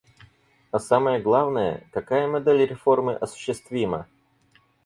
А самое главное: какая модель реформы осуществима?